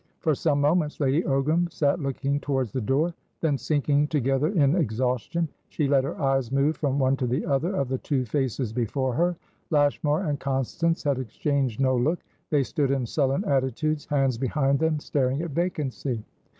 For some moments, Lady Ogram sat looking towards the door; then, sinking together in exhaustion, she let her eyes move from one to the other of the two faces before her. Lashmar and Constance had exchanged no look; they stood in sullen attitudes, hands behind them, staring at vacancy.